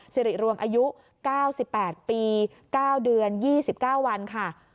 สิริรวมอายุ๙๘ปี๙เดือน๒๙วันค่ะ